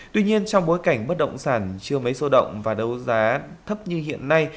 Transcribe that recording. tuy nhiên trong bối cảnh mất động sản chưa mấy số động và đấu giá thấp như hiện nay